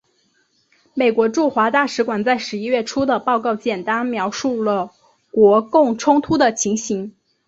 美国驻华大使馆在十一月初的报告简单描述了国共冲突的情形。